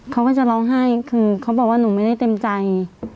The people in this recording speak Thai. เขาก็จะร้องไห้คือเขาบอกว่าหนูไม่ได้เต็มใจ